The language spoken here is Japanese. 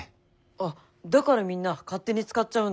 あっだからみんな勝手に使っちゃうんだよ。